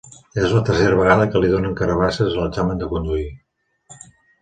És la tercera vegada que li donen carabasses a l'examen de conduir.